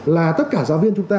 là tất cả giáo viên chúng ta